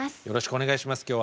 よろしくお願いします